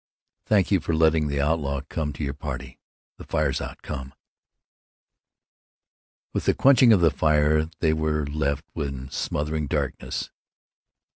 "Thank you for letting the outlaw come to your party. The fire's out. Come." With the quenching of the fire they were left in smothering darkness.